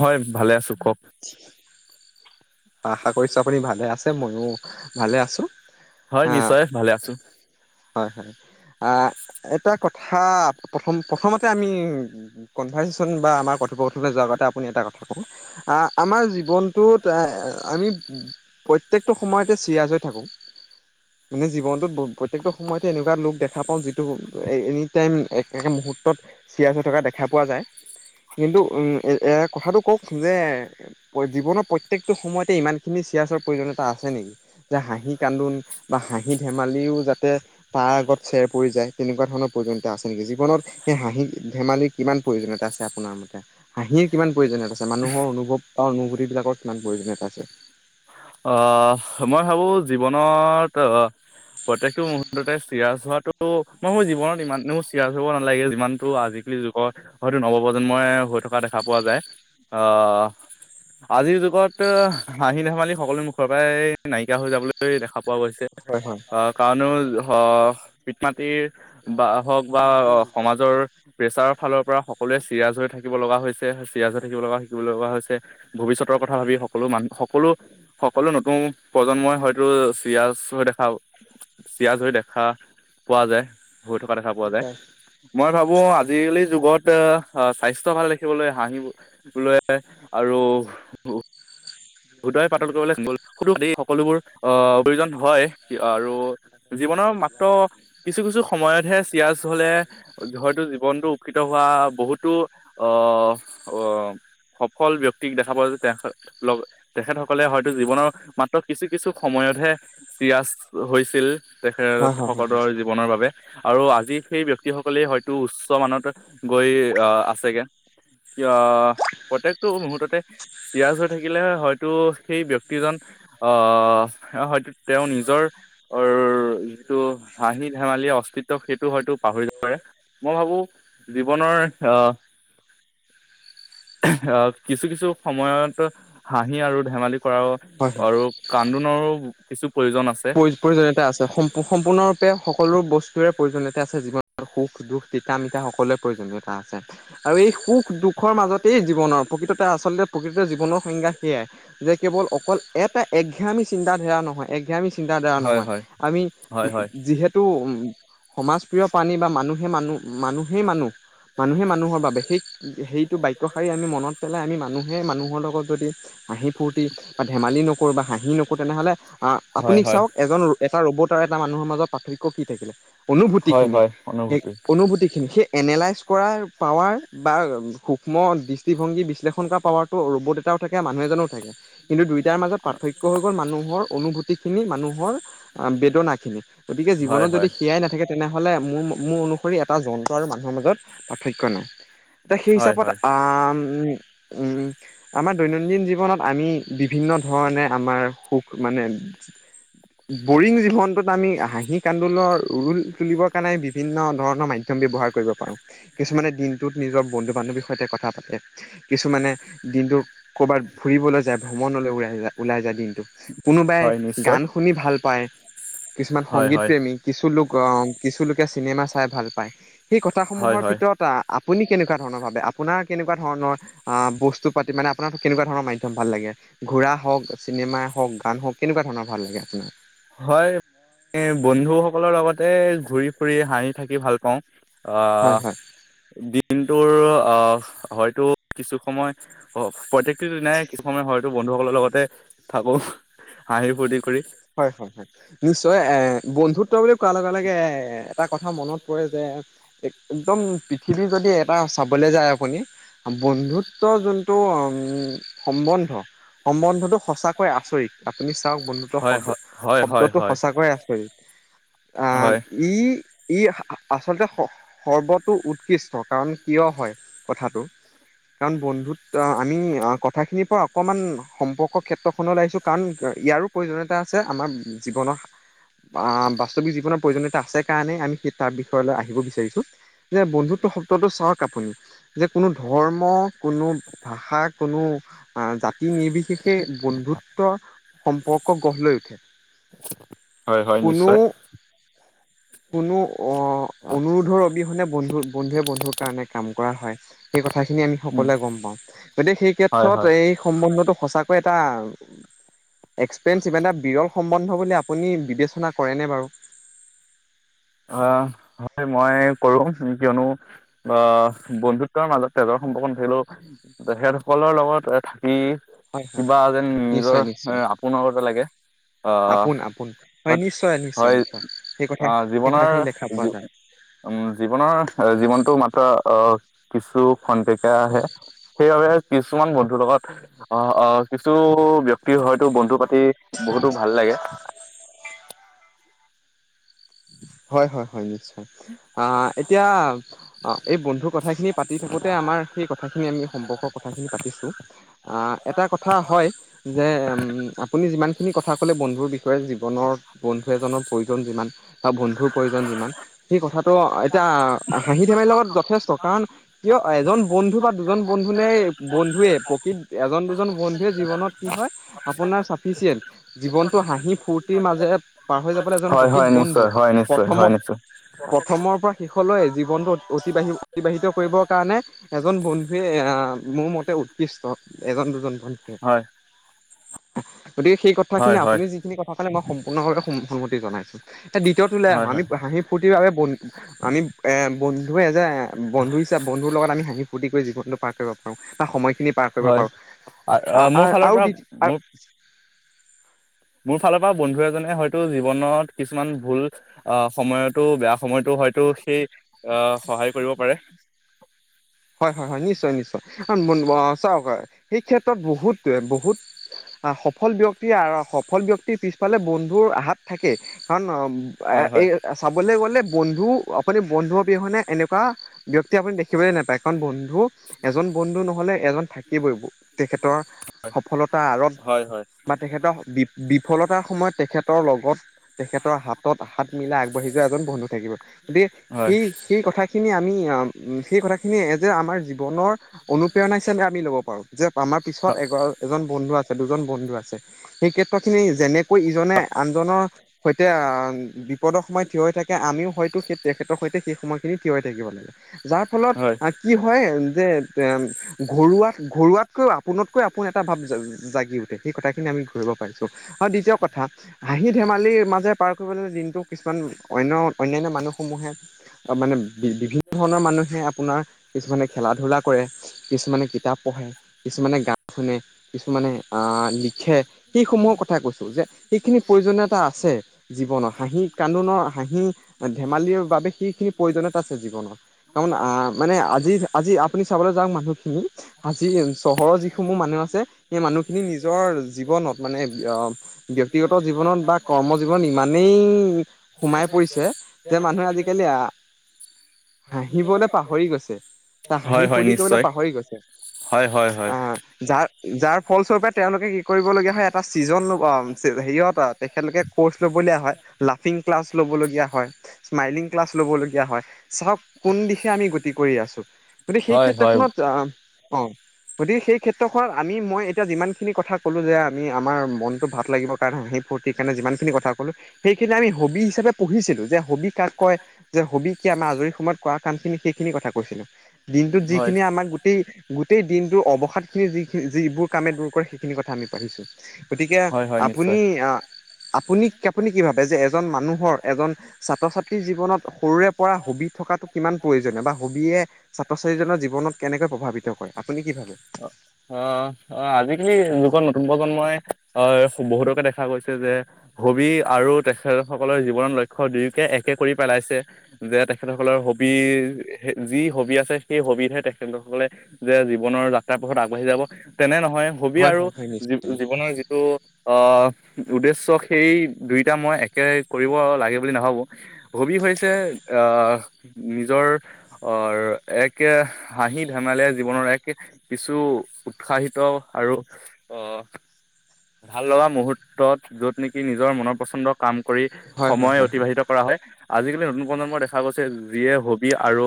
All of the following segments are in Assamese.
হয় ভালে আছো শু কক [unintelligible] ঠিক [unintelligible] আশা কৰিছো আপুনি ভালে আছে মই অ ভালে আছো হয় হা নিশ্চয় ভালে আছো এটা কথা প্ৰথম প্ৰথমতে আমি কনভাৰ্চেশ্যন বা আমাৰ কথোপকথলৈ যোৱাৰগতে আপুনি এটা কথা কব আমাৰ জীৱনটোত আমি প্ৰত্যেকটো সময়তে চিৰিয়াছ হৈ থাকোঁ মানে জীৱনটোত প্ৰত্যেকটো সময়তে এনেকুৱা লোক দেখা এনি টাইম এক এক মুহূৰ্তত চিৰায়াছ হৈ থকা দেখা পোৱা যায় কিন্তু কথাটো কওক যে জীৱনৰ প্ৰত্যেকটো সময়ত াতে ইমান খিনি চিয়চৰ প্ৰয়োজনীয়তা আছে নেকি যে হাঁহি কান্দোন বা হাঁহি ধেমালিও যাতে তাৰ আগত চেৰ পৰি যায় তেনেকুৱা ধৰণৰ প্ৰয়োজনীয়তা আছে নেকি জীৱনত স হাঁহি ধেমালিৰ কিমান প্ৰয়োজনীয়তা আছে আপোনাৰ মতে হাঁহিৰ কিমান প্ৰয়োজনীয়তা আছে মানুহৰ অনুভৱ অ অনুভূতি বিাক কিমান প্ৰয়োীয়তাছে আ [unintelligible] অ মই ভাবো জীৱন ত অ প্ৰত্েকটো মুহুৰৰ্ততে চিৰাছ হোৱাটো মই মোৰ জীৱনত ইমান মোৰ চিৰায়াছ হব নালাগে যিমানতটো আজিকালি যুগত হয়তো নৱপ্ৰজন্মই হৈ থকা দেখা পোৱা যায় আহ আজিৰ যুগত হাঁহি ধেমালি সকলো মুখৰ পৰাই এই নাইিকিয় হৈ যাবলৈ দেখাা পোৱা গৈছে হয় হয়। আহ কাৰণো এইটো একেবাৰে আহ পিত মাতৃৰ সঁচা। বা হওক বা সম্পূৰ্ণকৈ সমাজৰ প্ৰেছাৰৰ ফালৰ পৰা সকলোৱে চিয়াছ হৈ থাকিব লগা হৈছে চিয়াজে থাকিব লগা শিকিব লগা হৈছে ভৱিষ্যতৰ কথা ভাবি সকলো মানুহ সকলো সকলো নতুন প্ৰজন্মই হয়তো চিৰিয়াচ হৈ দেখা চিয়াচ হৈ দেখা পোৱা যায় হৈ থকা দেখা পোৱা যায় বুজা। মই ভাবো আজিকালি যুগত আহ স্বাস্থ্য ভাল দেখিবলৈ হাঁহিব আৰু সদয়ে পাতল কৰিবলৈ গলুেই সকলোবোৰ অ প্ৰয়োজন হয় আৰু জীৱনৰ মাত্ৰ কিছু কিছু সময়তহে চিয়িয়জ হলে হয়তো জীৱনটো উপৎকৃত হোৱা বহুতো আহ সফল ব্য়ক্তিক দেখা পোৱা যে তেওঁ লগ তেখেতসকলে হয়তো জীৱনৰ মাত্ৰ কিছু কিছু সময়তহে চৰাছ হৈছিল তেখেত হয় হয় হয় হয়। সকলোৰ জীৱনৰ বাবে আৰু আজি সেই ব্য্য়ক্তি সকলেই হয়তো উচ্চ মানত গৈ আহ আছেগে আহ প্ৰত্য়েকটো মুহুৰ্ততে চিৰা চৰা থাকিলে হয় হয় সেই ব্য্য়ক্তিজন আহ হয়তো তেওঁ নিজৰ যিটো হাঁহিনি ধেমালি অস্তিত্ব সেইটো হয়তো পাহৰি যাব পাৰে মই ভাবো জীৱনৰ আহ আহ কিছু কিছু সময়ত হাঁহি আৰু ধেমালি কৰা আৰু কান্দোনৰো কিছু প্ৰয়োজন আছে। প্ৰ প্ৰয়োজনীয়তা আছে সম সম্পূৰ্ণৰূপে সকলো বস্তুৰে প্ৰয়োজনীয়তা আছে জীৱনত সুখ দুখ তিতা মিঠা সকলোৰে প্ৰয়োজনীয়তা আছে আৰু এই সুখ দুখৰ মাজতেই জীৱনৰ প্ৰকৃততে আচলতে প্ৰকৃত জীৱনৰ সংজ্ঞা সেয়াই যে কেৱল অকল এটা এঘ্ৰামী চিন্তাধাৰা নহয় এঘ্ৰামী গা বেয়া হয় নহয় হয় আমি হয় হয় যিহেতু সমাজ প্ৰিয় পানী বা মাটি মানুহে মানুহ মানুহেই মানুহ মানুহে মানুহৰ বাবে সেই সেইটো বাক্যশাৰী আমি মনত পেলাই আমি মানুহে মানুহৰ লগত যদি হাঁহি ফূৰ্তি বা ধেমালি নকৰোঁ বা হাঁহি নকৰোঁ তেনেহ'লে হয় আপুনি হয় চাওক এজন এটা ৰ'বত আৰু এটা মানুহৰ মাজত পাৰ্থক্য কি থাকে অনুভূতি হয় খিনি হয় অনুভূতি অনুভূতি খিনি সেই এনালাইজ কৰা পাউৱাৰ বা সূক্ষ্ম দৃষ্টিভংগী উ্লেখকাৰ পাওৱাৰটো 'ৰবত এটাও থাকে মানুহ এটাও থাকে কিন্তু দুইটাৰ মাজত পাৰ্থক্য হৈ গ'ল মানুহৰ অনুভূতিক মানুহৰ বেদনা খিনি গতিকে হয় হয় জীৱনত যদি হয় সেয়াই নাথাকে তেনেহ'লে মোৰ মোৰ অনুসৰি এটা যন্ত্ৰ আৰু মানুহৰ মাজত পাৰ্থক্য নাই এতিয়া সেই হয় হিচাপত হয় আমাৰ দৈনন্দিন জীৱনত আমি বিভিন্ন ধৰণে আমাৰ সুখ মানে আ [unintelligible] বৰিং জীৱনটোত আমি হাঁহি কান্দোনৰ ৰুল তুলিবৰ কাৰণে বিভিন্ন ধৰণৰ মাধ্যম ব্যৱহাৰ কৰিব পাৰোঁ কিছুমানে দিনটোত নিজৰ বন্ধু বান্ধৱীৰ সৈতে কথা পাতে কিছুমানে দিনটো কৰ'বাত ফুৰিবলৈ যায় ভ্ৰমণলৈ ওলাই ওলাই যায় দিনটো কোনোবাই হয় নিশ্চয় গান শুনি ভাল পায় কিছুমান হয় সংগীত হয় প্ৰেমী কিছু লোক অ কিছু লোকে চিনেমা চাই ভাল পায় সেই হয় কথাসমূহৰ হয় ভিতৰত আপুনি কেনেকুৱা ধৰণৰ ভাবে আপোনাৰ কেনেকুৱা ধৰণৰ বস্তু পাতি মানে আপোনাৰ কেনেকুৱা ধৰণৰ মাধ্যম ভাল লাগে ঘূৰা হওক চিনেমাই হওক গান হওক কেনেকুৱা ধৰণৰ ভাল লাগে আপোনাক হয় বন্ধুসকলৰ লগতে ঘূৰি ফুৰি হাঁহি থাকি ভাল পাওঁ হয় হয়। অ দিনটোৰ অ হয়তো কিছু সময় পৈতেক নাই কিছু সময় হয় ত বন্ধুসকলৰ লগতে থাকো হাঁহি ফূৰ্তি কৰি হয় হয় হয় নিশ্চয় এ বন্ধুত্ব বুলি কোৱা লগে লগে গে এটা কথা মনত পৰে যে এক একদম পৃথিৱী যদি এটা চাবলৈ যায় আপুনি বন্ধুত তহ ', যোনটো উ', সম্বন্ধ -সম্বন্ধটো সঁচাকৈ আচৰিত আপুনি চাওক বন্ধু। হয় শব্দ হয় হয় হয় -শব্দটো হয় সঁচাকৈয় আচৰিত আহ', হয় ই', ই', আ', - আ', আচলতে স', সৰ্বতো উৎকৃষ্ট। [unintelligible] কাৰণ কিয় হয় কথাটো? কাৰণ বন্ধুত আ ', আমি আ ', কথাখিনিৰ পৰা অকণমান সম্পৰ্কৰ ক্ষেত্ৰখন ও আহিছোঁ কাৰণ ইয়াৰো প্ৰয়োজনীয়তা আছে আমাৰ জীৱনৰ বাস্তৱিক জীৱনৰ প্ৰয়োজনীয়তা আছে। কাৰণে আমি সেই তাৰ বিষয়লৈ আহিব বিচাৰিছোঁ, যে বন্ধুত্ব শব্দটো চাওক আপুনি যে কোনো ধৰ্ম কোনো ভাষা কোনো জাতি নিৰ্বিশেষে বন্ধুত্ব তৰ্ক গঢ় লৈ উঠে হয় হয় কোনো নিশ্চয় কোনো অ', অনুৰোধৰ অবিহনে বন্ধু -বন্ধুৱে -বন্ধুৰ কাৰণে কাম কৰা হয়। সেই কথা কথাখিনি আমি উম সকলোৱে গম পাওঁ, গতিকে সেই হয় ক্ষেত্ৰত হয় এই সম্বন্ধতো সঁচাকৈ এটা এক্সপেঞ্চিভ এটা বিৰল সময় কন হ'বলে আপুনি বিবেচনা কৰে নে বাৰু? অ', হয় ', মই কৰো কিয়নো আহ বন্ধুত্বৰ মাজত তেজৰ সম্পৰ্ক নাথাকিলো, তেখেতসকলৰ লগত সি হয় ', হয় কিবা যেন, নিজৰ নিশ্চয় নিশ্চয়। আপোনৰকতে লাগে আহ', আপোন আপোন হয়- নিশ্চয় নিশ্চয় হয় নিশ্চয় সেই কথা আহ ', সেই কথাখিনি জীনৰ দেখা পোৱা যায় ', জীৱনৰ জীৱনতটো মাত্ৰ কিছু খন্তেকা আহে', সে সেইবাবে কিছুমান বন্ধুৰ লগত অ', - অ', কিছু ব্যক্তি হয়তো বন্ধু পা তি বহুতো ভাল লাগে। হয়- হয়- হয় নিশ্চয়। আহ ', এতিয়া এই বন্ধুৰ কথাখিনি পাতি থাকোঁতে আমাৰ সেই কথাখিনি আমি সম্পৰ্কৰ কথাখিনি পাতিছোঁ, আহ ', এটা কথা হয় যে', ম ', আপুনি যিমানখিনি কথা কলে বন্ধুৰ বিষয়ে জীৱনৰ বন্ধু এজনৰ প্ৰয়োজন যিমান বা বন্ধুৰ প্ৰয়োজন যিমান সেই কথাটো এতিয়া হাঁহি ধেমালিৰ লগত যথেষ্ট কাৰণ কিয়, এজন বন্ধু বা দুজন বন্ধুলেহে বন্ধুৱে প্ৰকৃত এজন দুজন বন্ধুৱে জীৱনত কি হয় আপোনাৰ চাফিচিয়েণ্ট। জীৱনটো হাঁহি ফূৰ্তিৰ মাজেৰে পাৰ হৈ যাবলৈ এজন হয় হয় প্ৰকৃত নিশ্চয় বন্ধু। হয় নিশ্চয় -হয় নিশ্চয় শিষলৈ জীৱনটোত অতিবাহি অতিবাহিত কৰিবৰ কাৰণে এজন বন্ধুৱে মোৰ আহ ', মতে উৎকৃষ্ট। এজন দুজন খন্তেক হয় [inaudible] গতিক সেইথাখিনি হয় হয় আপুনি যিখিনি কথা কলে নহ ', সম্পূৰ্ণ ভাৱে সন্মতি জনাইছো। এ দ্বিতীয়টোলৈ আহোঁ হয় আমি হয় হাঁহি ফূৰ্তিৰ বাবে আমি বন্ধুৱে এ যে বন্ধু হিচাপে বন্ধুৰ লগত আমি হাঁহি ফূৰ্তি কৰি জীৱনটো পাৰ কৰিব পাৰোঁ বা সময়খিনি পাৰ কৰিব হয় পাৰোঁ আ- আহ, মোৰ ফালৰ পৰা আৰু মোৰ মোৰ ফালৰ পৰা বন্ধু এজনে হয়তো জীৱনত কিছুমান ভুল আহ সময়তো বেয়া সময়তো হয়তো সেই আহ সহায় কৰিব পাৰে। হয় হয় হয় নিশ্চয় নিশ্চয়। চাওক সেই ক্ষেত্ৰত বহুত বহুত সফল ব্যক্তি সফল ব্যক্তিৰ পিছফালে বন্ধুৰ হাত থাকে। কাৰণ হয় এই হয় চাবলৈ গ'লে বন্ধু আপুনি বন্ধু অবিহনে এনেকোৱা থকা ব্যক্তি আপুনি দেখিবলৈ নাপায়। কাৰণ বন্ধু এজন বন্ধু নহ'লে এজন থাকিবই তেখেতৰ সফলতাৰ আঁৰত হয় হয় বা তেখেতৰ বি বিফলতাৰ সময়ত তেখেতৰ লগত তেখেতৰ হাতত হাত মিলাই আগবাঢ়ি যোৱা এজন বন্ধু থাকিব গতিকে হয় সেই সেই কথাখিনি আমি উম সেই কথা যে আমাৰ জীৱনৰ অনুপ্ৰেৰণা হিচাপে আমি ল'ব পাৰো। যে আমাৰ পিছত এ এজন বন্ধু আছে। দুজন বন্ধু আছে সেই ক্ষেত্ৰ খিনি যেনেকৈ ইজনে আনজনৰ সৈতে, বিপদৰ সময় থিয় হৈ থাকে এতিয়া আমিও হয়তো সেই তেখেতৰ সৈতে সেই সময়খিনি থিয় হৈ থাকিব লাগে যাৰ ফলত হয় কি হয় যে এ ঘৰুৱাত ঘৰুৱাতকৈ আপোনতকৈ আপোন এটা ভাৱ জাগি উঠে সেই কথাখিনি আমি ধৰিব পাৰিছো হয় দ্বিতীয় কথা হাঁহি ধেমালিৰ মাজে পাৰ কৰিবলে দিনটো কিছুমান অনয় অন্যয়ানয় মানুহসমূহে মানে বি বিভিন্ন ধৰণৰ মানুহে আপোনাৰ কিছুমানে খেলা ধূলা কৰে কিছুমানে কিতাপ পঢ়ে কিছুমানে গান শুনে কিছুমানে লিখে সেইসমূহৰ কথা ই কৈছোঁ যে সেইখিনি প্ৰয়োজনীয়তা আছে জীৱনৰত হাঁহি কান্দোনৰ হাঁহি ধেমালিৰ বাবে সেইখিনি প্ৰয়োজনীয়তা আছে জীৱনৰত কাৰণ অ অ মানে আজি আজি আপুনি চাবলৈ যাওক মানুহখিনি আজি চহৰৰ যিসমূহ মানুহ আছে সেই মানুহখিনি নিজৰ জীৱনত মানে অ ব্যক্তিগত জীৱনত বা কৰ্ম জীৱন ইমানেই সোমাই পৰিছে যে মানুহে আজিকালি হাঁহিবলৈ বা হাঁহি হয় হয় ফূৰ্তি কৰিবলৈ নিশ্চয় পাহৰি গৈছে হয় হয় হয় যাৰ ফলস্বৰূপে তেওঁলোকে কি কৰিবলগীয়া হয় এটা ছিজন ল'ব হেৰিয়ত তেখেতলোকে ক'ৰ্চ ল'বলগীয়া হয় লাফিং ক্লাছ ল'বলগীয়া হয় স্মাইলিং ক্লাছ ল'বলগীয়া হয় চাওক কোন দিশে আমি গতি কৰি আছো গতিকে সেই হয় ক্ষেত্ৰ হয় খনত অ গতিকে সেই ক্ষেত্ৰখনত আমি মই এতিয়া যিমানখিনি কথা কলো যে আমি আমাৰ মনতটো ভাল লাগিবৰ কাৰণে সেই ফূুৰ্তিৰ কাৰণে যিমানখিনি কথা কলো সেইখিনি আমি হবি হিচাপে পঢ়িছিলো যে হবি কাক কয় যে হবি কি আমাৰ আজৰি সময়ত কৰা কামখিনি সেইখিনি কথা কৈছিলো দিনটোত হয় যিখিনি আমাক গোটেই গোটেই দিনটোৰ অৱসাদখিনি যিখিনি যিবোৰ কামে দূৰ কৰে সেইখিনি কথা আমি পঢ়িছো গতিকে হয় হয় নিশ্চয় আপুনি আপুনি আপুনি কি ভাবে যে এজন মানুহৰ এজন ছাত্ৰ ছাত্ৰী কি জীৱনত সৰুৰে পৰা হবি থকাটো প্ৰয়োজন বা হবিয়ে ছাত্ৰ ছাত্ৰীজনৰ জীৱনত কেনেকৈ প্ৰভাৱিত কৰে আপুনি কি ভাবে অ অ অ আজিকালি যুগত ন নতুন প্ৰজন্মই আহ বহুতকে দেখা গৈছে যে হবি আৰু তেখেত সকলৰ জীৱনৰ লক্ষ্য দুয়োকে একে কৰি পেলাইছে যে তেখেতসকলৰ হবিৰ যি হবি আছে সেই হবিতহে তেখেত সকলে যে জীৱনৰ তাৰ পাছত আগবাঢ়ি যাব তেনে নহয় হবি হয় আৰু হয় হয় নিশ্চয় জীৱনৰ যিটো অ উদ্দেশ্য সেই দুইটা মই একে কৰিব লাগে বুলি নাভাবো হবি হৈছে আহ নিজৰ আহ এক হাঁহি ধেমালি জীৱনৰ এক কিছু উৎসাহিত আৰু আহ ভাল লগা মুহূৰ্তত য'ত নেকি নিজৰ মনৰপচন্দক কাম কৰি হয় হয় সময় হয় হয় অতিবাহিত কৰা হয় আজি নতুন প্ৰজন্মই দেখা গৈছে যিয়ে হ বি আৰু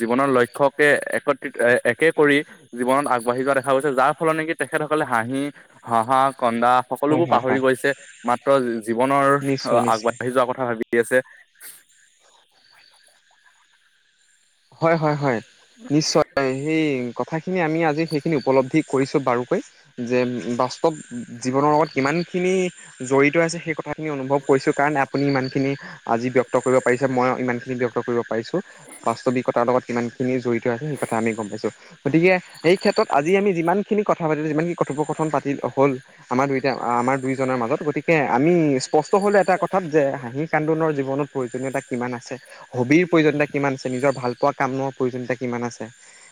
জীৱনৰ লক্ষ্য শিক্ষকে একত্ৰিত একে কৰি জীৱনত আগবাঢ়ি যোৱা দেখা গৈছে যাৰ ফল নেকি তেখেতসকলে হাঁহি হাঁহা কন্দা হয় সকলোবোৰ হয় পাহৰি হয় গৈছে মাত্ৰ জীৱনৰ নিশ্চয় নিশ্চয় আগবাঢ়ি যোৱা কথা ভাবি ঠিকে আছে হয় হয় হয় নিশ্চয় সেই কথাখিনি আমি আজি সেইখিনি উপলব্ধি কৰিছো বাৰুকৈ যে বাস্তৱ জীৱনৰ লগত কিমানখিনি জড়িত আছে সেই কথা কথাখিনি অনুভৱ কৰিছো কাৰণ আপুনি ইমানখিনি আজি ব্যক্ত কৰিব পাৰিছে মই ইমান খিনি ব্যক্ত কৰিব পাৰিছো বাস্তৱিক তাৰ লগত কিমান খিনি জড়িত আছে সেই কথা আমি গম পাইছো গতিকে সেই ক্ষেত্ৰত আজি আমি যিমান খিনি কথা পাতিলো যিমানি কথোপকথন পাতি হ'ল আমাৰ দুইটা আমাৰ দুইজনৰ মাজত গতিকে আমি স্পষ্ট হ'লোঁ এটা কথাত যে হাঁহি কান্দোনৰ জীৱনত প্ৰয়োজনীয়তা কিমান আছে হবিৰ প্ৰয়োজনীয়তা কিমান আছে নিজৰ ভাল পোৱা কামৰ প্ৰয়োজনতা কিমান আছে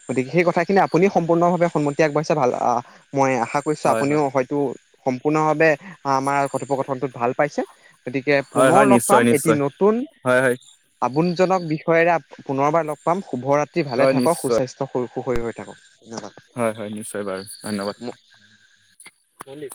গতিকে সেই কথাখিনি আপুনি সম্পূৰ্ণ ভাৱে সন্মতি আগবঢ়াইছে ভাল আহ মই আশা কৰিছো হয় হয় আপুনিও হয়তো সম সম্পূৰ্ণভাৱে আমাৰ কথোপকথনটোত ভাল পাইছে গতিকে হয় পুনৰ হয় লগ পাম নিশ্চয় এটি নিশ্চয় নতুন হয় হয় আমোদজনক বিষয়ৰে আকৌ পুনৰবাৰ লগ পাম শুভ ৰাত ত্ৰি ভালে হয় থাকক সু নিশ্চয় স্বাস্থ্য সৰু শৰিৰীৰ হৈ থাকক ধন্যবাদ। হয় হয় নিশ্চয় বাৰু ধন্যবাদ হলি